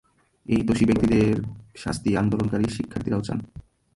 এই দোষী ব্যক্তিদের শাস্তি আন্দোলনকারী শিক্ষার্থীরাও চান।